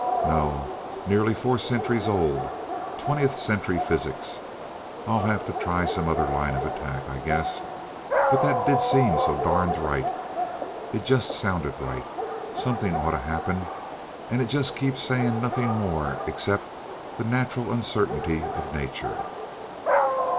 "No. Nearly four centuries old twentieth century physics. I'll have to try some other line of attack, I guess, but that did seem so darned right. It just sounded right. Something ought to happen and it just keeps saying 'nothing more except the natural uncertainty of nature.'"